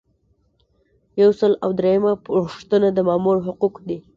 یو سل او دریمه پوښتنه د مامور حقوق دي.